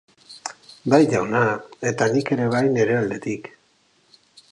Bai, jauna, eta nik ere bai neure aldetik.